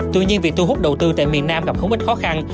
tuy nhiên việc thu hút đầu tư tại miền nam gặp không ít khó khăn